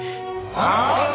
ああ！？